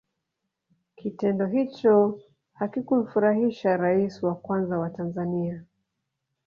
kitendo hicho hakikumfurahisha raisi wa kwanza wa tanzania